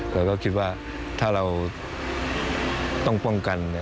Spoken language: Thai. เราก็คิดว่าถ้าเราต้องป้องกัน